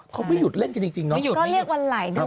เขาไม่หยุดเล่นกันจริงเนอะ